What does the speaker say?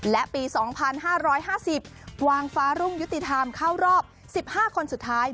และปี๒๕๕๐วางฟ้ารุ่งยุติธรรมเข้ารอบ๑๕คนสุดท้าย